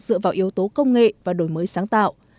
dựa vào yếu tố công nghệ và đổi mới sáng tạo